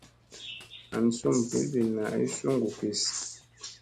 Han sum ɓilɓilla ay suŋgu kis.